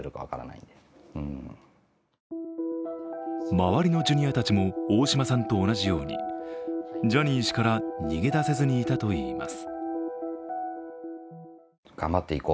周りのＪｒ．たちも大島さんと同じように、ジャニー氏から逃げ出せずにいたといいます。